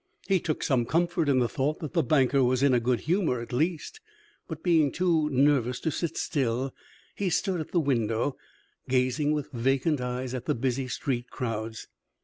He took some comfort in the thought that the banker was in a good humor, at least; but, being too nervous to sit still, he stood at the window, gazing with vacant eyes at the busy street crowds.